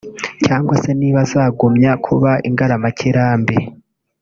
cyangwa se niba azagumya kuba ingaramakirambi